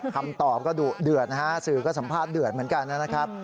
คำตอบก็ดุเดือดนะฮะสื่อก็สัมภาษณ์เดือดเหมือนกันนะครับ